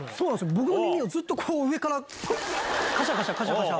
僕の耳をずっと上からカシャカシャカシャカシャ。